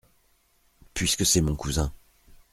Puisque c’est mon cousin.